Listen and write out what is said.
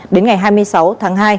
đến ngày hai mươi sáu tháng hai